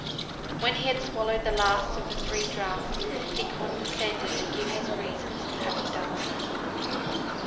When he had swallowed the last of the three draughts, he condescended to give his reasons for having done so.